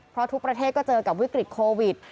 เพราะทุกประเทศก็เจอกับวิกฤตโควิด